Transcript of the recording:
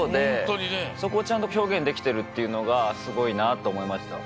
そこをちゃんとひょうげんできてるっていうのがすごいなとおもいました。